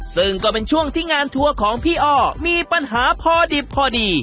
ซึ่งก็เป็นช่วงที่งานทัวร์ของพี่อ้อมีปัญหาพอดิบพอดี